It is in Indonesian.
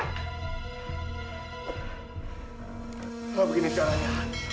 kalau begini caranya